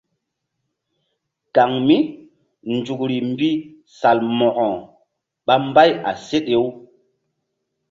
Kaŋ mí nzukri mbi Salmo̧ko ɓa mbay a seɗe-u.